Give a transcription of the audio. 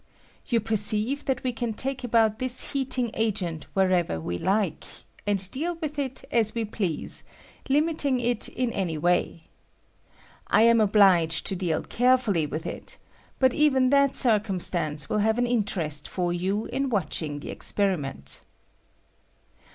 You perceive that we can take about this heating agent wherever we like, and deal with it as we please, limiting it in any way. I am obliged to deal carefully with it ; hut even that circumstance will have an interest for you in watching the experiment.